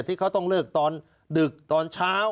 ที่เขาต้องเลิกตอนดึกตอนเช้า